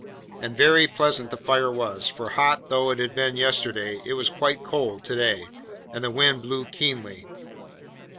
And very pleasant the fire was; for, hot though it had been yesterday, it was quite cold to day, and the wind blew keenly.